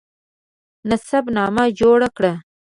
نسب نامه جوړه کړه.